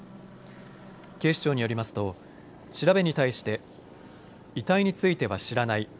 警視庁によりますと調べに対して遺体については知らない。